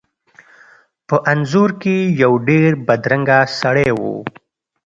په انځور کې یو ډیر بدرنګه سړی و.